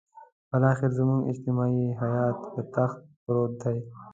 بالاخره زموږ اجتماعي حيات پر تخت پروت دی.